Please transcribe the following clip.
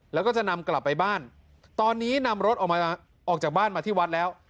แล้วก็จะนำกลับไปบ้านตอนนี้นำรถออกมาออกจากบ้านมาที่วัดแล้ว